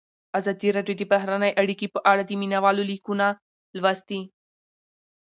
ازادي راډیو د بهرنۍ اړیکې په اړه د مینه والو لیکونه لوستي.